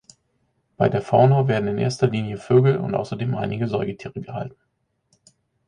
Bei der Fauna werden in erster Linie Vögel und außerdem einige Säugetiere gehalten.